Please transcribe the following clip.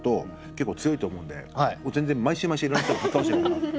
結構強いと思うんで全然毎週毎週いろんな人をぶっ倒していこうかなと。